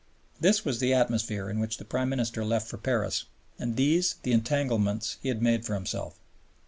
This was the atmosphere in which the Prime Minister left for Paris, and these the entanglements he had made for himself.